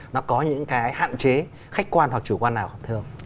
nó có những cái hạn chế khách quan hoặc chủ quan nào không thưa ông